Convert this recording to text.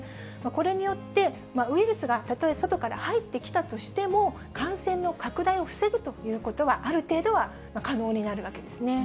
これによって、ウイルスがたとえ外から入ってきたとしても、感染の拡大を防ぐということは、ある程度は可能になるわけですね。